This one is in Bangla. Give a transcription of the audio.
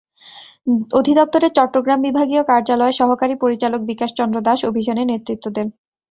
অধিদপ্তরের চট্টগ্রাম বিভাগীয় কার্যালয়ের সহকারী পরিচালক বিকাশ চন্দ্র দাস অভিযানে নেতৃত্ব দেন।